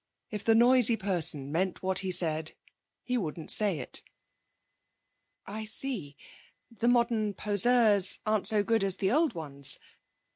If the noisy person meant what he said, he wouldn't say it.' 'I see. The modern poseurs aren't so good as the old ones.